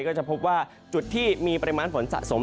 ก็จะพบว่าจุดที่มีปริมาณฝนสะสม